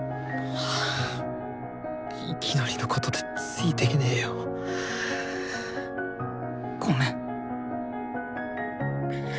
いきなりのことでついてけねよ。ごめん。